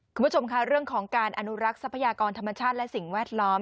คุณผู้ชมค่ะเรื่องของการอนุรักษ์ทรัพยากรธรรมชาติและสิ่งแวดล้อม